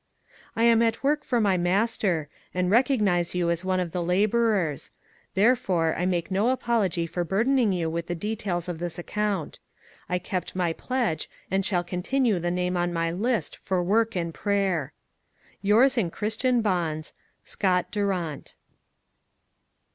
I am at work for my Master, and recognize you as one of the laborers; therefore I make no apology for burdening you with the details of this account. I kept my pledge, and shall continue the name on my list for work and prayer. Yours in Christian bonds, SCOTT DURANT.